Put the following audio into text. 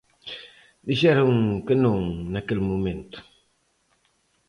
Dixeron que non naquel momento.